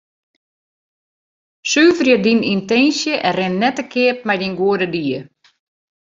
Suverje dyn yntinsje en rin net te keap mei dyn goede died.